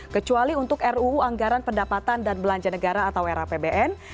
kecuali untuk ruu anggaran pendapatan dan belanja negara atau rapbn